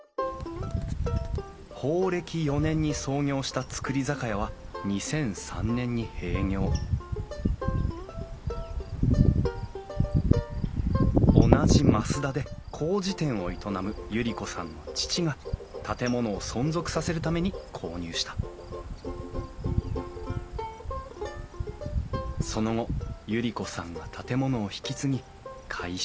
宝暦４年に創業した造り酒屋は２００３年に閉業同じ増田でこうじ店を営む百合子さんの父が建物を存続させるために購入したその後百合子さんが建物を引き継ぎ改修。